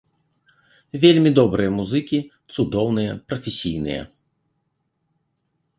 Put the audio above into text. Вельмі добрыя музыкі, цудоўныя, прафесійныя.